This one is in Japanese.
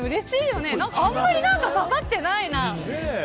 あんまり刺さってないな。